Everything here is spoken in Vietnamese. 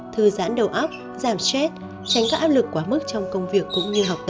thư giãn đầu óc giảm stress tránh các áp lực quá mức trong công việc cũng như học tập